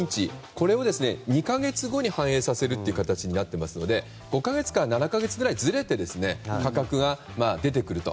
これを２か月後に反映させる形になっていますので５か月から７か月ぐらいずれて価格が出てくると。